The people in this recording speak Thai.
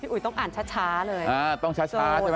อุ๋ยต้องอ่านช้าเลย